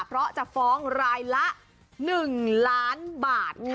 เพราะจะฟ้องรายละ๑ล้านบาทค่ะ